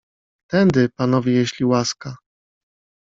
"Tędy, panowie, jeśli łaska."